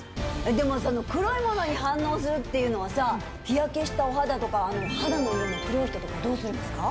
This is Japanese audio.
でもその黒いモノに反応するっていうのは日焼けしたお肌とか肌の色の黒い人とかどうするんですか？